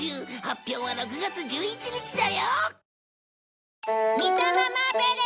発表は６月１１日だよ。